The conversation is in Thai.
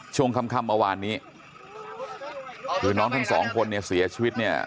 ช่วงค่ำเมื่อวานนี้คือน้องทั้งสองคนเนี่ยเสียชีวิตเนี่ย